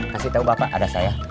kasih tahu bapak ada saya